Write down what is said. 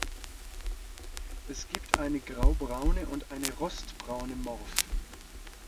Es gibt eine graubraune und eine rostbraune Morphe.